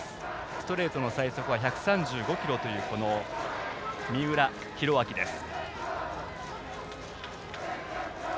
ストレートの最速は１３５キロという三浦寛明です。